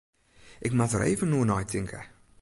Ik moat der even oer neitinke.